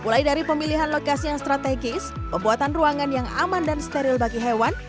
mulai dari pemilihan lokasi yang strategis pembuatan ruangan yang aman dan steril bagi hewan